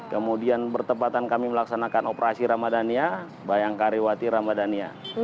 kemudian bertempatan kami melaksanakan operasi ramadhania bayangkariwati ramadhania